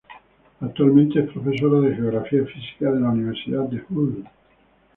Actualmente es profesora de geografía física de la Universidad de Hull.